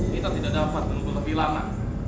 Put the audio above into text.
kita tidak dapat menunggu lebih lama